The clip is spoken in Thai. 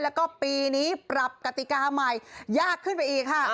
แล้วก็ปีนี้ปรับกติกาใหม่ยากขึ้นไปอีกค่ะ